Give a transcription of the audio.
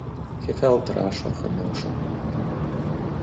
He felt a rush of emotion.